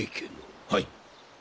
はい。